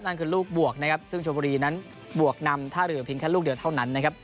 นั่นคือลูกบวกนะครับซึ่งชมบุรีนั้นบวกนำท่าเรือเพียงแค่ลูกเดียวเท่านั้นนะครับ